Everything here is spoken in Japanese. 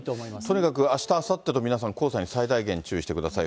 とにかくあした、あさってと皆さん、黄砂に最大限、注意してください。